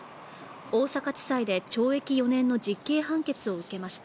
大阪地裁で懲役４年の実刑判決を受けました。